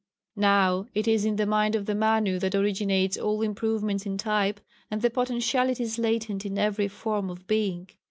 Now it is in the mind of the Manu that originates all improvements in type and the potentialities latent in every form of being.